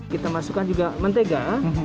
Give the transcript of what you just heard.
kita masukkan juga mentega